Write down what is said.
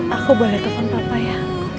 aku boleh telepon papa ya